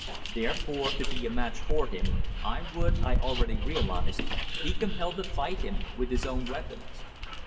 Therefore, to be a match for him, I would, I already realised, be compelled to fight him with his own weapons.